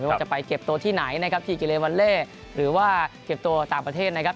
ว่าจะไปเก็บตัวที่ไหนนะครับที่กิเลวัลเล่หรือว่าเก็บตัวต่างประเทศนะครับ